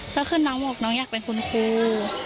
ก็คือน้องบอกน้องอยากเป็นคุณครู